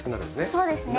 そうですね。